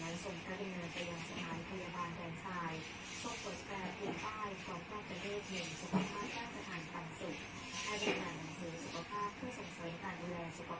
อัศวินธรรมดาและสมสัตว์ศาสตร์ที่เหนือด้านใกล้จากโรงพยาบาลหรือจุภัณฑ์หรือจุภัณฑ์หรือจุภัณฑ์หรือจุภัณฑ์หรือจุภัณฑ์หรือจุภัณฑ์หรือจุภัณฑ์หรือจุภัณฑ์หรือจุภัณฑ์หรือจุภัณฑ์หรือจุภัณฑ์